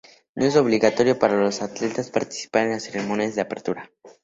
No es obligatorio para los atletas participar en las ceremonias de apertura.